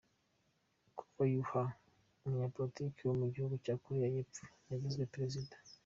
Choi Kyu-hah, umunyapolitiki wo mu gihugu cya Koreya y’Epfo , yagizwe Perezida.